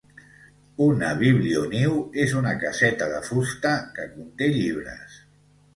Una biblioniu és una caseta de fusta que conté llibres